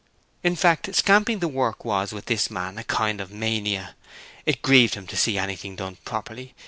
In fact, scamping the work was with this man a kind of mania. It grieved him to see anything done properly.